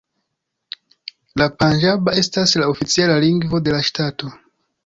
La panĝaba estas la oficiala lingvo de la ŝtato.